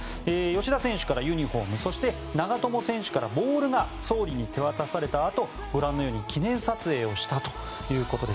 吉田選手からユニホーム長友選手からボールが総理に手渡されたあとご覧のように記念撮影をしたということです。